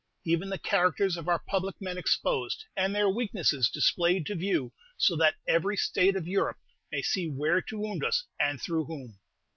Even the characters of our public men exposed, and their weaknesses displayed to view, so that every state of Europe may see where to wound us, and through whom!